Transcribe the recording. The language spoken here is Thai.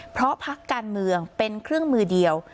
เพราะพักการเมืองเป็นเครื่องมือเดียว